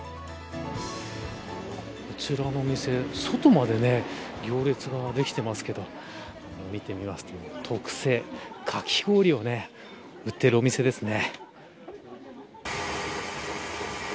こちらのお店外まで行列ができてますけど見てみますと特製、かき氷を売っているお店ですね。